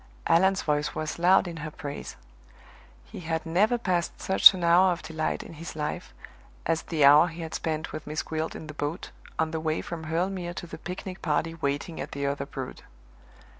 Allan's voice was loud in her praise. He had never passed such an hour of delight in his life as the hour he had spent with Miss Gwilt in the boat, on the way from Hurle Mere to the picnic party waiting at the other Broad.